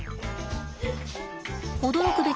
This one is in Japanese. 驚くべきは